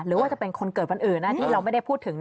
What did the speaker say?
หรือว่าจะเป็นคนเกิดวันอื่นที่เราไม่ได้พูดถึง